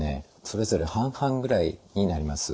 それぞれ半々ぐらいになります。